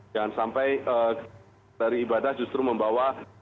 jangan sampai dari ibadah justru membawa